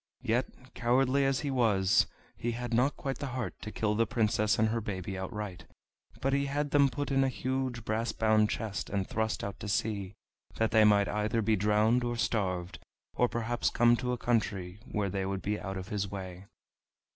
Yet, cowardly as he was, he had not quite the heart to kill the Princess and her baby outright, but he had them put in a huge brass bound chest and thrust out to sea, that they might either be drowned or starved, or perhaps come to a country where they would be out of his way.